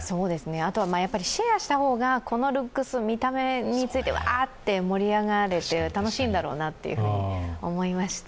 あとはシェアした方がこのルックス、見た目についてわーって盛り上げれて、楽しいんだろうなと思いました。